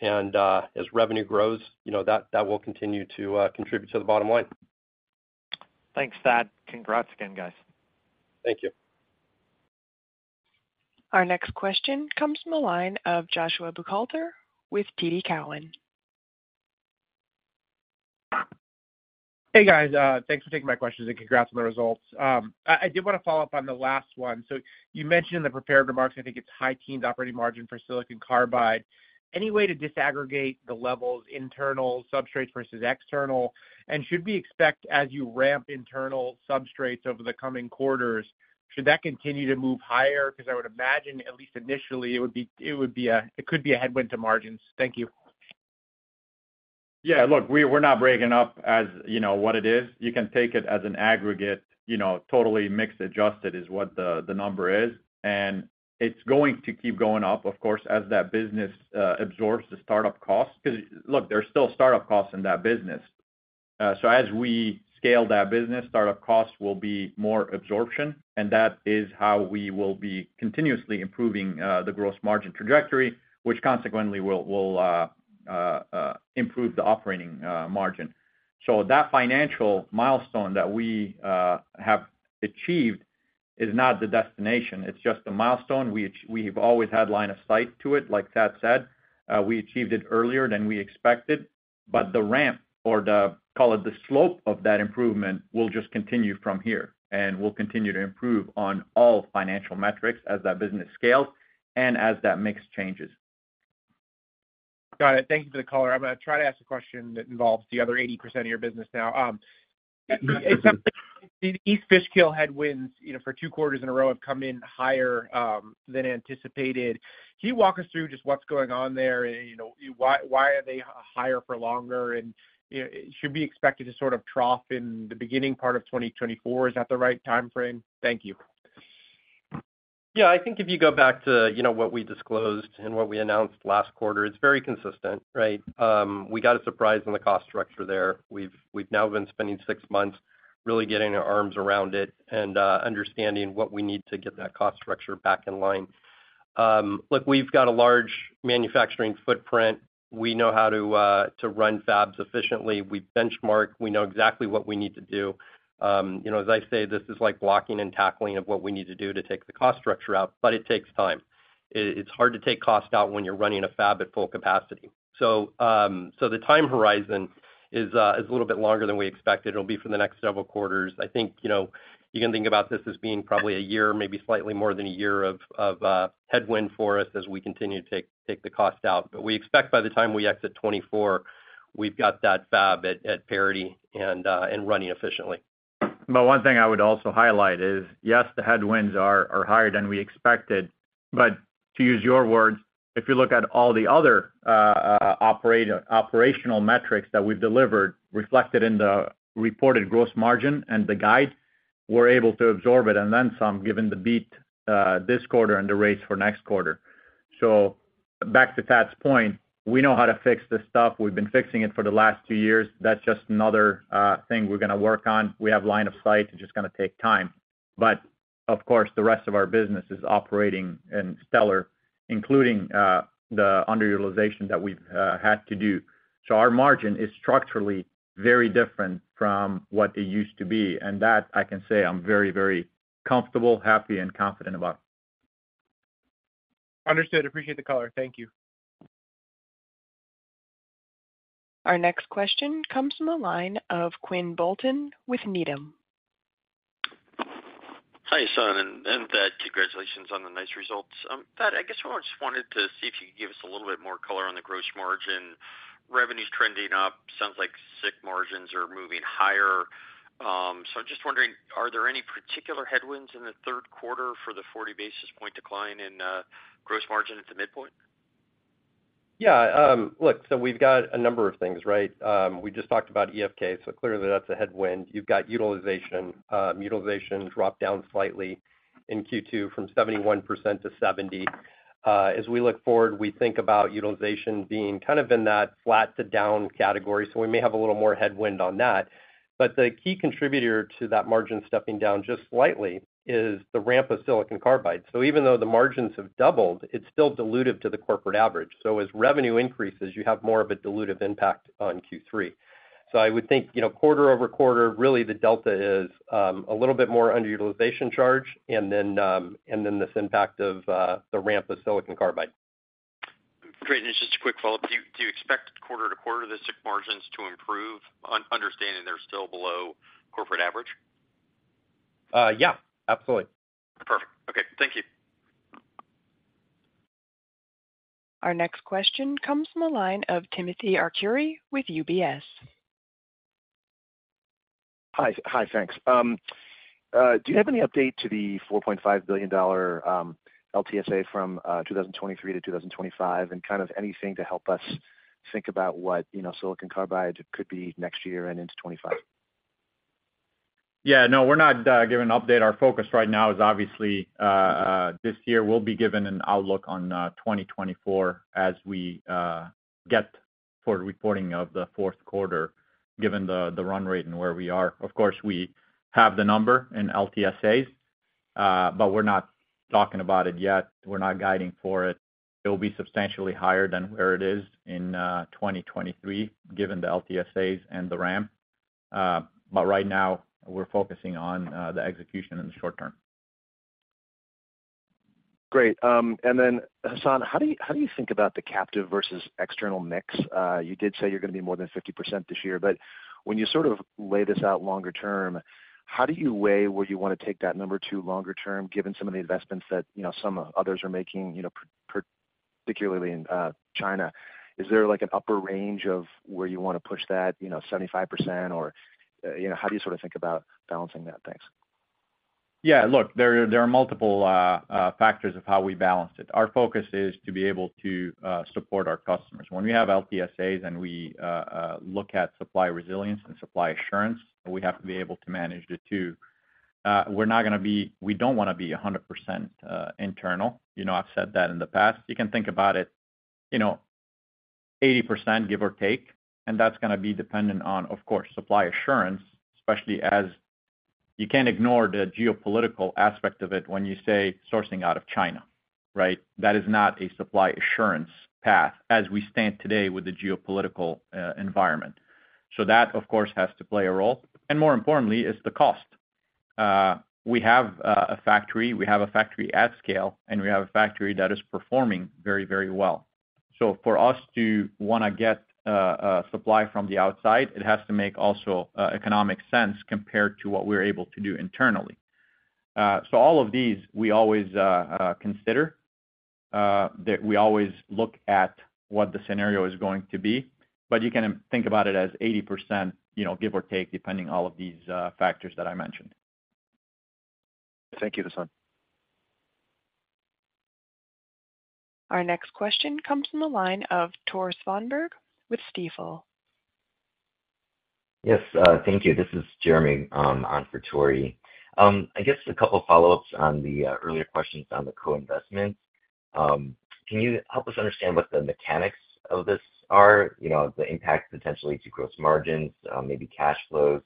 and as revenue grows, you know, that, that will continue to contribute to the bottom line. Thanks, Thad. Congrats again, guys. Thank you. Our next question comes from the line of Joshua Buchalter with TD Cowen. Hey, guys, thanks for taking my questions, and congrats on the results. I did want to follow up on the last one. You mentioned in the prepared remarks, I think it's high teens operating margin for silicon carbide. Any way to disaggregate the levels, internal substrates versus external? Should we expect as you ramp internal substrates over the coming quarters, should that continue to move higher? Because I would imagine, at least initially, it could be a headwind to margins. Thank you. Yeah, look, we're, we're not breaking up as you know what it is. You can take it as an aggregate, you know, totally mixed adjusted, is what the, the number is, and it's going to keep going up, of course, as that business absorbs the start-up costs. Because, look, there's still start-up costs in that business. So as we scale that business, start-up costs will be more absorption, and that is how we will be continuously improving the gross margin trajectory, which consequently will, will improve the operating margin. So that financial milestone that we have achieved is not the destination. It's just a milestone. We have always had line of sight to it, like Thad said. We achieved it earlier than we expected, but the ramp, or the, call it the slope of that improvement, will just continue from here. We'll continue to improve on all financial metrics as that business scales and as that mix changes. Got it. Thank you for the color. I'm going to try to ask a question that involves the other 80% of your business now. The East Fishkill headwinds, you know, for two quarters in a row, have come in higher than anticipated. Can you walk us through just what's going on there? You know, why, why are they higher for longer? You know, should we expect it to sort of trough in the beginning part of 2024? Is that the right time frame? Thank you. Yeah, I think if you go back to, you know, what we disclosed and what we announced last quarter, it's very consistent, right? We got a surprise in the cost structure there. We've, we've now been spending six months really getting our arms around it and understanding what we need to get that cost structure back in line. Look, we've got a large manufacturing footprint. We know how to run fabs efficiently. We benchmark. We know exactly what we need to do. You know, as I say, this is like blocking and tackling of what we need to do to take the cost structure out, but it takes time. It, it's hard to take cost out when you're running a fab at full capacity. The time horizon is a little bit longer than we expected. It'll be for the next several quarters. I think, you know, you can think about this as being probably a year, maybe slightly more than a year of, of, headwind for us as we continue to take, take the cost out. But we expect by the time we exit 2024, we've got that fab at, at parity and, and running efficiently. One thing I would also highlight is, yes, the headwinds are, are higher than we expected. To use your words, if you look at all the other operational metrics that we've delivered, reflected in the reported gross margin and the guide, we're able to absorb it, and then some, given the beat this quarter and the race for next quarter. Back to Pat's point, we know how to fix this stuff. We've been fixing it for the last two years. That's just another thing we're gonna work on. We have line of sight. It's just gonna take time. Of course, the rest of our business is operating and stellar, including the under-utilization that we've had to do. Our margin is structurally very different from what it used to be, and that I can say I'm very, very comfortable, happy, and confident about. Understood. Appreciate the color, thank you. Our next question comes from the line of Quinn Bolton with Needham. Hi, Hassanee and Thad. Congratulations on the nice results. Thad, I guess I just wanted to see if you could give us a little bit more color on the gross margin. Revenue's trending up, sounds like SiC margins are moving higher. I'm just wondering, are there any particular headwinds in the third quarter for the 40 basis point decline in gross margin at the midpoint? Yeah, look, we've got a number of things, right? We just talked about EFK, clearly that's a headwind. You've got utilization. Utilization dropped down slightly in Q2 from 71%-70%. As we look forward, we think about utilization being kind of in that flat-to-down category, we may have a little more headwind on that. The key contributor to that margin stepping down just slightly is the ramp of silicon carbide. Even though the margins have doubled, it's still dilutive to the corporate average. As revenue increases, you have more of a dilutive impact on Q3. I would think, you know, quarter-over-quarter, really, the delta is a little bit more underutilization charge, and then, and then this impact of the ramp of silicon carbide. Great. Just a quick follow up, Do you, do you expect quarter to quarter the SiC margins to improve, understanding they're still below corporate average? Yeah, absolutely. Perfect. Okay, thank you. Our next question comes from the line of Timothy Arcuri with UBS. Hi. Hi, thanks. Do you have any update to the $4.5 billion LTSA from 2023 to 2025, and kind of anything to help us think about what, you know, silicon carbide could be next year and into 2025? Yeah. No, we're not giving an update. Our focus right now is obviously this year. We'll be giving an outlook on 2024 as we get toward reporting of the fourth quarter, given the run rate and where we are. Of course, we have the number in LTSA, but we're not talking about it yet. We're not guiding for it. It'll be substantially higher than where it is in 2023, given the LTSA and the ramp. Right now, we're focusing on the execution in the short term. Great. And then, Hassanee, how do you, how do you think about the captive versus external mix? You did say you're gonna be more than 50% this year, but when you sort of lay this out longer term, how do you weigh where you want to take that number to longer term, given some of the investments that, you know, some others are making, you know, particularly in China? Is there, like, an upper range of where you want to push that, you know, 75% or, you know, how do you sort of think about balancing that? Thanks. Yeah, look, there are multiple factors of how we balance it. Our focus is to be able to support our customers. When we have LTSA and we look at supply resilience and supply assurance, we have to be able to manage the two. We don't wanna be 100% internal. You know, I've said that in the past. You can think about it, you know, 80%, give or take, and that's gonna be dependent on, of course, supply assurance, especially as you can't ignore the geopolitical aspect of it when you say sourcing out of China, right? That is not a supply assurance path as we stand today with the geopolitical environment. That, of course, has to play a role, and more importantly is the cost. We have a factory, we have a factory at scale, and we have a factory that is performing very, very well. For us to wanna get supply from the outside, it has to make also economic sense compared to what we're able to do internally. All of these, we always consider that we always look at what the scenario is going to be, but you can think about it as 80%, you know, give or take, depending all of these factors that I mentioned. Thank you, Hassanee. Our next question comes from the line of Tore Svanberg with Stifel. Yes, thank you. This is Jeremy, on for Tore. I guess a couple follow-ups on the earlier questions on the co-investment. Can you help us understand what the mechanics of this are? You know, the impact potentially to gross margins, maybe cash flows.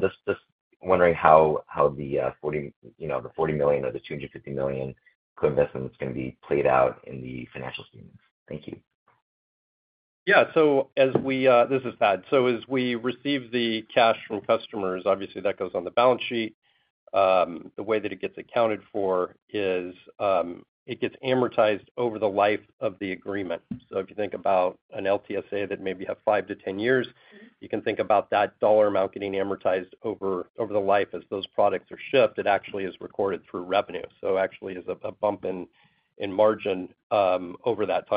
Just, just wondering how, how the 40, you know, the $40 million or the $250 million co-investment is gonna be played out in the financial statements. Thank you. Yeah. This is Thad. As we receive the cash from customers, obviously that goes on the balance sheet. The way that it gets accounted for is, it gets amortized over the life of the agreement. If you think about an LTSA that maybe have 5-10 years, you can think about that dollar amount getting amortized over, over the life as those products are shipped. It actually is recorded through revenue, so actually is a, a bump in, in margin over that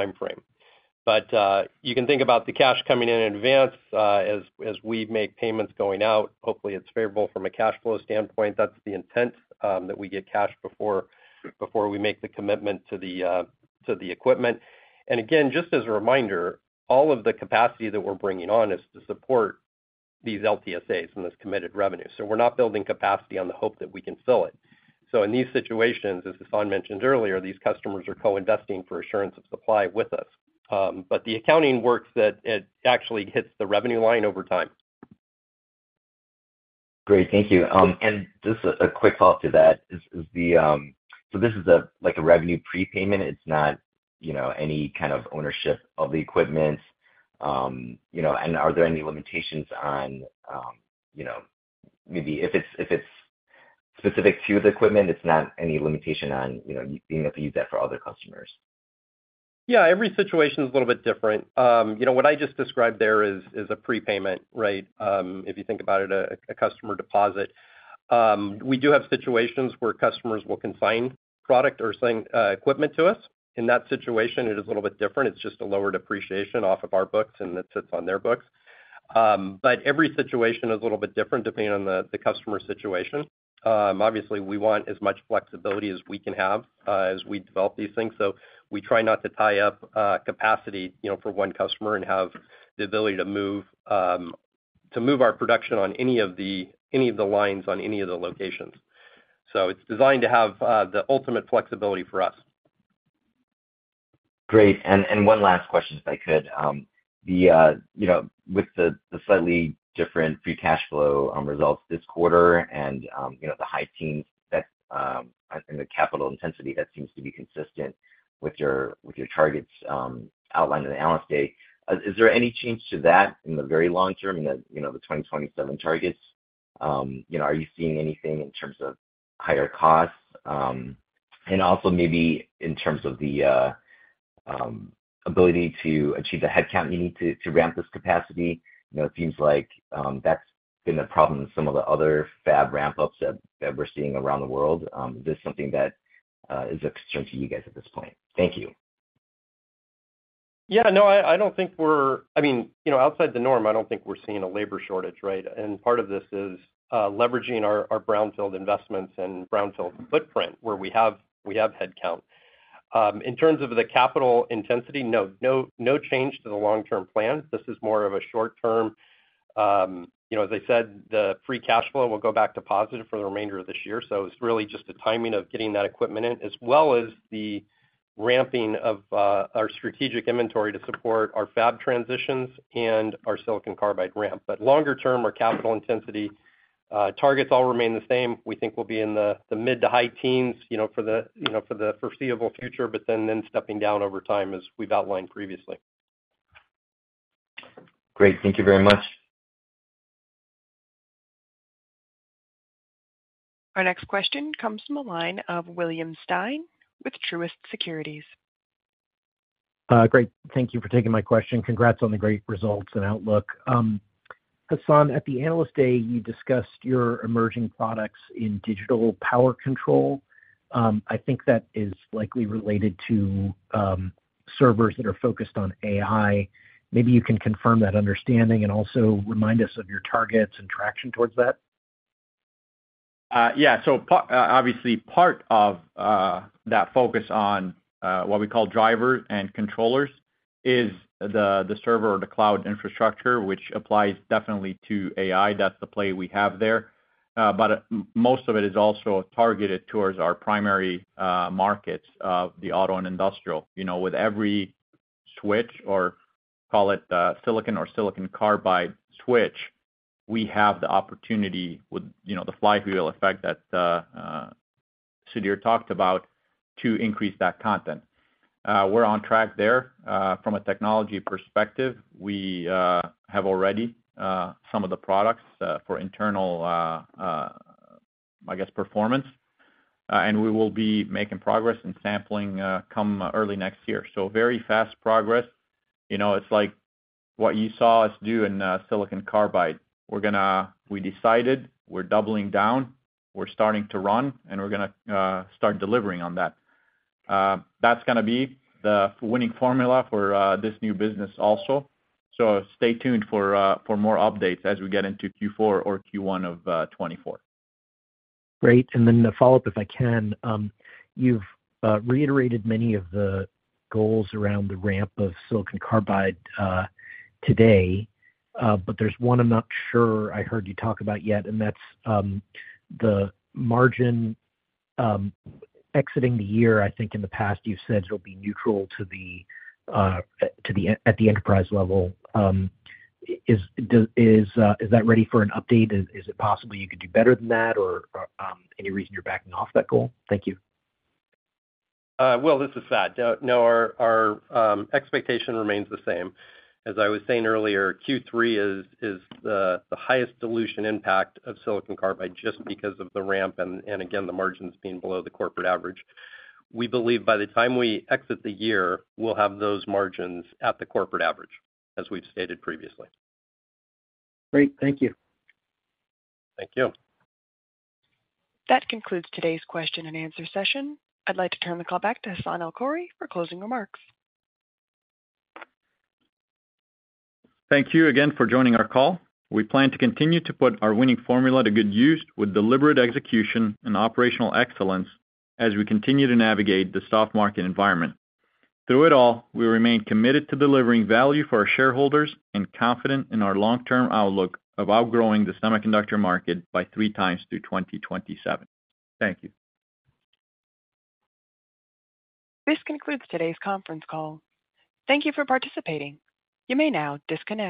timeframe. You can think about the cash coming in in advance, as we make payments going out. Hopefully, it's favorable from a cash flow standpoint. That's the intent, that we get cash before, before we make the commitment to the equipment. Again, just as a reminder, all of the capacity that we're bringing on is to support these LTSA and this committed revenue. We're not building capacity on the hope that we can sell it. In these situations, as Hassanee mentioned earlier, these customers are co-investing for assurance of supply with us. The accounting works that it actually hits the revenue line over time. Great, thank you. Just a quick follow-up to that, so this is a, like a revenue prepayment, it's not, you know, any kind of ownership of the equipment? You know, are there any limitations on, you know, maybe if it's, if it's specific to the equipment, it's not any limitation on, you know, you being able to use that for other customers? Yeah, every situation is a little bit different. You know, what I just described there is a prepayment, right? If you think about it, a customer deposit. We do have situations where customers will consign product or selling equipment to us. In that situation, it is a little bit different. It's just a lower depreciation off of our books, and it sits on their books. Every situation is a little bit different depending on the customer's situation. Obviously, we want as much flexibility as we can have as we develop these things. We try not to tie up capacity, you know, for one customer and have the ability to move to move our production on any of the lines on any of the locations. It's designed to have, the ultimate flexibility for us. Great. One last question, if I could. You know, with the slightly different free cash flow results this quarter and, you know, the high teens that and the capital intensity, that seems to be consistent with your, with your targets outlined in the analyst day, is there any change to that in the very long term, you know, the 2027 targets? You know, are you seeing anything in terms of higher costs? Also maybe in terms of the ability to achieve the headcount you need to, to ramp this capacity. You know, it seems like that's been a problem with some of the other fab ramp-ups that we're seeing around the world. Is this something that is a concern to you guys at this point? Thank you. Yeah, no, I, I don't think we're... I mean, you know, outside the norm, I don't think we're seeing a labor shortage, right? Part of this is leveraging our brownfield investments and brownfield footprint, where we have, we have headcount. In terms of the capital intensity, no, no, no change to the long-term plan. This is more of a short term. You know, as I said, the free cash flow will go back to positive for the remainder of this year, so it's really just the timing of getting that equipment in, as well as the ramping of our strategic inventory to support our fab transitions and our silicon carbide ramp. Longer term, our capital intensity targets all remain the same. We think we'll be in the mid to high teens, you know, for the foreseeable future, but then stepping down over time, as we've outlined previously. Great. Thank you very much. Our next question comes from the line of William Stein with Truist Securities. Great. Thank you for taking my question. Congrats on the great results and outlook. Hassanee, at the Analyst Day, you discussed your emerging products in digital power control. I think that is likely related to servers that are focused on AI. Maybe you can confirm that understanding and also remind us of your targets and traction towards that? Yeah. So part, obviously, part of that focus on what we call drivers and controllers is the, the server or the cloud infrastructure, which applies definitely to AI. That's the play we have there. Most of it is also targeted towards our primary markets of the auto and industrial. You know, with every switch, or call it the silicon or silicon carbide switch, we have the opportunity with, you know, the flywheel effect that Sudhir talked about, to increase that content. We're on track there. From a technology perspective, we have already some of the products for internal, I guess, performance, and we will be making progress and sampling come early next year. Very fast progress. You know, it's like what you saw us do in silicon carbide. We're gonna we decided we're doubling down, we're starting to run, and we're gonna start delivering on that. That's gonna be the winning formula for this new business also. Stay tuned for more updates as we get into Q4 or Q1 of 2024. Great. Then a follow-up, if I can. You've reiterated many of the goals around the ramp of silicon carbide today, but there's one I'm not sure I heard you talk about yet, and that's the margin exiting the year. I think in the past you've said it'll be neutral to the at the enterprise level. Is that ready for an update? Is it possible you could do better than that, or any reason you're backing off that goal? Thank you. Will, this is Thad. No, no, our, our expectation remains the same. As I was saying earlier, Q3 is the highest dilution impact of silicon carbide just because of the ramp and again, the margins being below the corporate average. We believe by the time we exit the year, we'll have those margins at the corporate average, as we've stated previously. Great. Thank you. Thank you. That concludes today's question and answer session. I'd like to turn the call back to Hassanee El-Khoury for closing remarks. Thank you again for joining our call. We plan to continue to put our winning formula to good use with deliberate execution and operational excellence, as we continue to navigate the soft market environment. Through it all, we remain committed to delivering value for our shareholders and confident in our long-term outlook of outgrowing the semiconductor market by three times through 2027. Thank you. This concludes today's conference call. Thank you for participating. You may now disconnect.